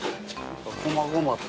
こまごまと。